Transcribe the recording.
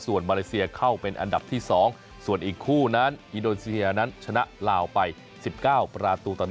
ส่วนมาเลเซียเข้าเป็นอันดับที่๒ส่วนอีกคู่นั้นอินโดนีเซียนั้นชนะลาวไป๑๙ประตูต่อ๑